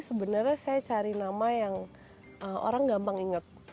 sebenarnya saya cari nama yang orang gampang ingat